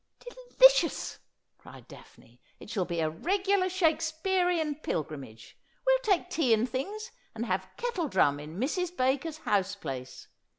°' Delicious,' cried Daphne. ' It shall be a regular Shake spearian pilgrimage. We'll take tea and things, and have kettle drum in Mrs. Baker's house place.